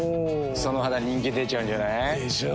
その肌人気出ちゃうんじゃない？でしょう。